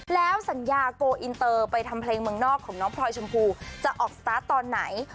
แล้วสัญญาโกลอินเตอร์ไปทำเพลงเมืองนอกของน้องพลอยชมพูจะออกสตาร์ทตอนไหน